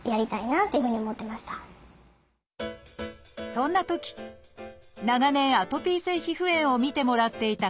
そんなとき長年アトピー性皮膚炎を診てもらっていた